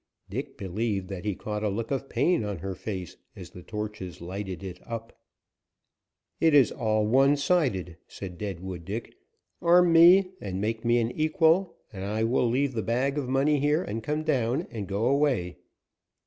Dick believed that he caught a look of pain on her face as the torches lighted it up. "It is all one sided," said Deadwood Dick. "Arm me, and make me an equal, and I will leave the bag of money here and come down and go away.